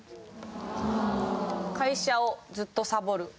「会社をずっとさぼる」。